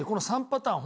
３パターン。